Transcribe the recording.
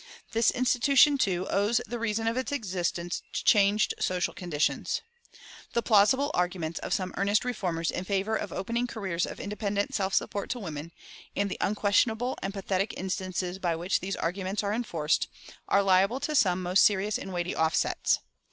This institution, too, owes the reason of its existence to changed social conditions. The plausible arguments of some earnest reformers in favor of opening careers of independent self support to women, and the unquestionable and pathetic instances by which these arguments are enforced, are liable to some most serious and weighty offsets.